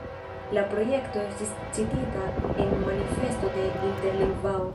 La projekto estis citita en Manifesto de Interlingvao.